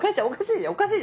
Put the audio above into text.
おかしい